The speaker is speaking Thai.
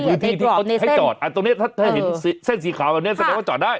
พื้นที่ที่เขาให้จอดตรงนี้ถ้าเห็นเส้นสีขาวแบบนี้แสดงว่าจอดได้